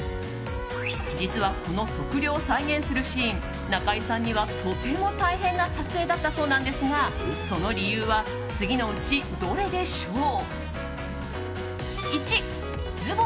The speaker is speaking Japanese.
実は、この測量を再現するシーン中井さんには、とても大変な撮影だったそうなんですがその理由は次のうちどれでしょう？